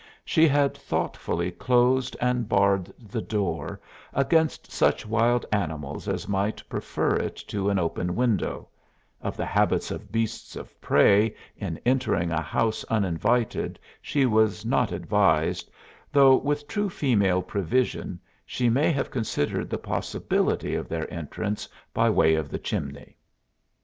She had thoughtfully closed and barred the door against such wild animals as might prefer it to an open window of the habits of beasts of prey in entering a house uninvited she was not advised, though with true female prevision she may have considered the possibility of their entrance by way of the chimney.